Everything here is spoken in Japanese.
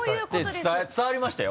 伝わりましたよ。